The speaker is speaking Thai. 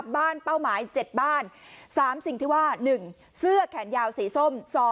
เป้าหมาย๗บ้าน๓สิ่งที่ว่า๑เสื้อแขนยาวสีส้ม